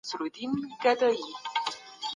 يا کيدای سي د غيبت په بڼه چاته زيان ورسيږي.